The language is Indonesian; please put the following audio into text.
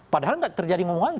padahal enggak terjadi ngomongannya